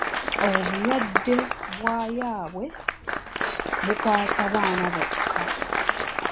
Obulwadde bwa yaabwe bukwata baana bokka.